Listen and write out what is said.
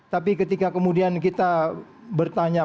tapi ketika kemudian kita bertanya